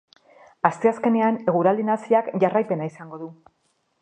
Asteazkenean eguraldi nahasiak jarraipena izango du.